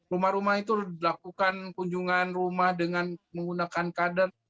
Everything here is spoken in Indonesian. rumah rumah itu dilakukan kunjungan rumah dengan menggunakan kader